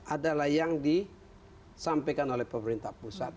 adalah yang disampaikan oleh pemerintah pusat